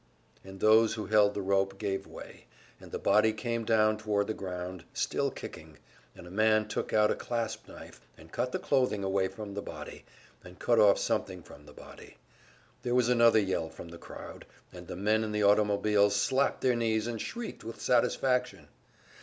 And those who held the rope gave way, and the body came down toward the ground, still kicking, and a man took out a clasp knife, and cut the clothing away from the body, and cut off something from the body; there was another yell from the crowd, and the men in the automobiles slapped their knees and shrieked with satisfaction.